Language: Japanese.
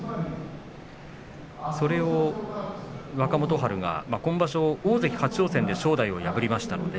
それを若元春が今場所大関初挑戦で正代を破りました。